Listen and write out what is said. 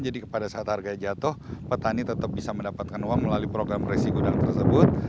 jadi pada saat harganya jatuh petani tetap bisa mendapatkan uang melalui program resi gudang tersebut